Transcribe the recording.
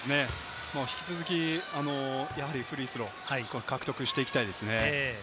引き続きフリースローを獲得していきたいですね。